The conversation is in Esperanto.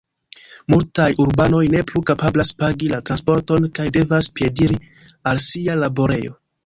Multaj urbanoj ne plu kapablas pagi la transporton kaj devas piediri al sia laborejo.